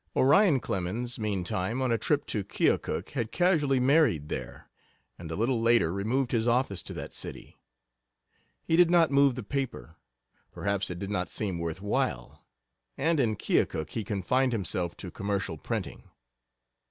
Orion Clemens, meantime, on a trip to Keokuk, had casually married there, and a little later removed his office to that city. He did not move the paper; perhaps it did not seem worth while, and in Keokuk he confined himself to commercial printing.